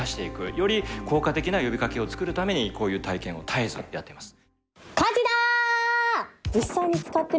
より効果的な呼びかけを作るためにこういう体験を絶えずやっています。